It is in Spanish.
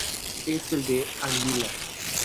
Es el de Anguila.